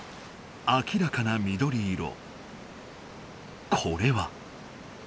明らかな緑色これは。